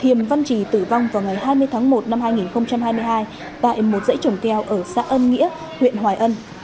thiềm văn trì tử vong vào ngày hai mươi tháng một năm hai nghìn hai mươi hai tại một dãy trồng keo ở xã ân nghĩa huyện hoài ân